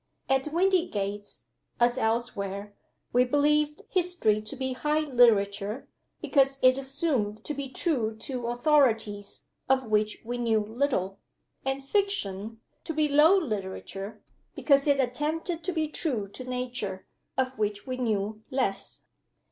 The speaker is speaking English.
At Windygates, as elsewhere, we believed History to be high literature, because it assumed to be true to Authorities (of which we knew little) and Fiction to be low literature, because it attempted to be true to Nature (of which we knew less).